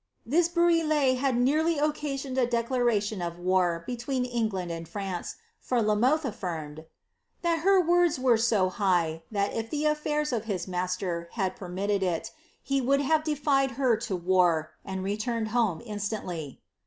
' This brouillee had nearly occasioned a leclaration of war between England and France, for La Mothc aflirnied, 'that her words were so high, that if the affairs of his master had per aitted it, he would have defied her to wan and returned home instantly."